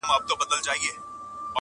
چي لیکلی چا غزل وي بې الهامه-